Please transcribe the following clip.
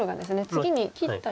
次に切ったり。